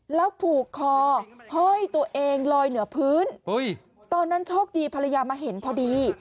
แล้วผูกคอเฮ้ยตัวเองลอยเหนือพื้นตอนนั้นโชคดีภรรยามาเห็นพอดี